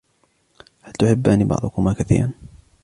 هل تحبان بعضكما كثيرًا ؟